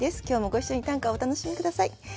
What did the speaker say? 今日もご一緒に短歌をお楽しみ下さい。